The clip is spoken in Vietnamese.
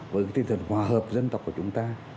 với tinh thần hòa hợp dân tộc của chúng ta